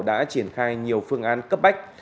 đã triển khai nhiều phương án cấp bách